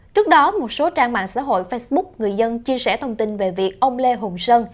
trước đó một số trang mạng xã hội facebook người dân chia sẻ thông tin về việc ông lê hùng sơn